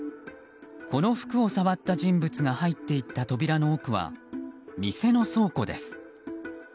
この服を触った人物が入っていった扉の奥は店の倉庫です。